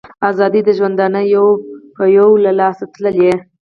آزادۍ د ژوندانه یې یو په یو له لاسه تللي